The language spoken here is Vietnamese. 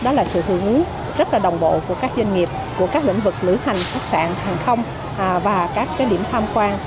đó là sự hưởng ứng rất là đồng bộ của các doanh nghiệp của các lĩnh vực lửa hành khách sạn hàng không và các điểm tham quan